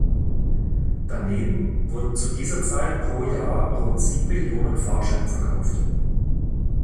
Daneben wurden zu dieser Zeit pro Jahr rund sieben Millionen Fahrscheine verkauft.